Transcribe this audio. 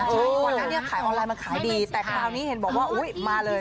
ก่อนหน้านี้ขายออนไลน์มาขายดีแต่คราวนี้เห็นบอกว่าอุ้ยมาเลย